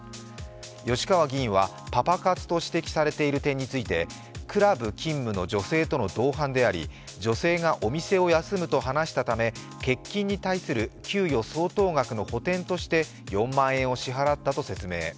吉川議員は、パパ活と指摘されている点についてクラブ勤務の女性との同伴であり、女性がお店を休むと話したため欠勤に対する給与相当額の補填として４万円を支払ったと説明。